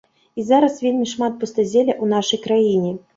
І зараз вельмі шмат пустазелля ў нашай краіне.